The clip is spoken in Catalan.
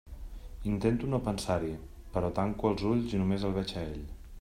Intento no pensar-hi, però tanco els ulls i només el veig a ell.